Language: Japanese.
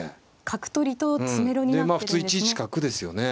角取りと詰めろになってるんですね。